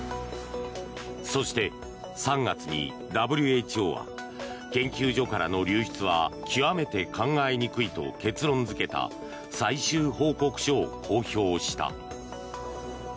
そして３月にＷＨＯは研究所からの流出は極めて考えにくいと結論付けた最終報告書を公表した。